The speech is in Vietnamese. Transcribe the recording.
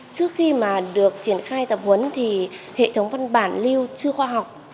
trước khi mà được triển khai tập huấn thì hệ thống văn bản lưu chưa khoa học